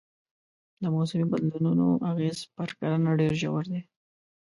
د موسمي بدلونونو اغېز پر کرنه ډېر ژور دی.